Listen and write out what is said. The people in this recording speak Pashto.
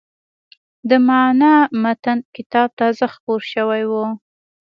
د «معنای متن» کتاب تازه خپور شوی و.